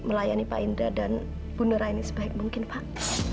melayani pak indra dan bunuh raini sebaik mungkin pak